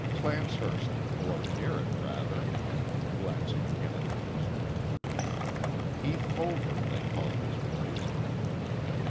"Clancehurst or near it, rather," glancing again at the newspaper. "Heath Hover, they call his place."